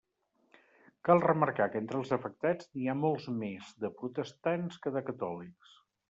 Cal remarcar que entre els afectats, n'hi ha molts més de protestants que de catòlics.